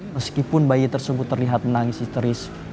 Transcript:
meskipun bayi tersebut terlihat menangis histeris